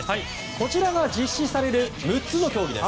こちらが実施される６つの競技です。